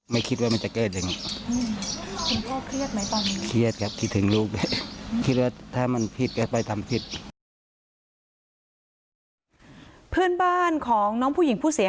ไม่คิดว่ามันจะเกิดอย่างงี้คุณพ่อเครียดไหมตอนนี้